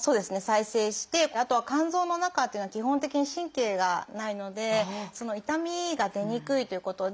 あとは肝臓の中というのは基本的に神経がないので痛みが出にくいということで。